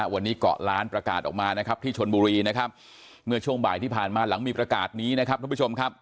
วันนี้เกาะล้านประกาศออกมานะครับที่ชนบุรีนะครับเมื่อช่วงบ่ายที่ผ่านมาหลังมีประกาศนี้นะครับทุกผู้ชมครับ